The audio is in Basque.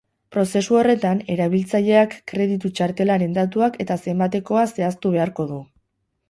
Prozesu horretan, erabiltzaileak kreditu txartelaren datuak eta zenbatekoa zehaztu beharko du.